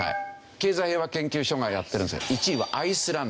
経済平和研究所がやってるんですけど１位はアイスランド。